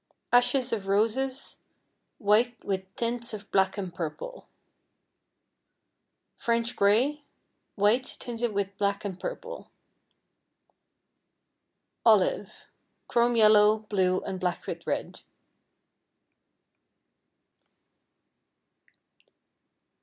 Ashes of Roses, white with tints of black and purple. French Gray, white tinted with black and purple. Olive, chrome yellow, blue, and black with red.